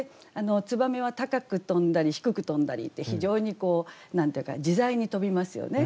燕は高く飛んだり低く飛んだりって非常にこう何て言うか自在に飛びますよね。